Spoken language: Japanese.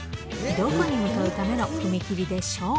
どこに向かうための踏切でしょう。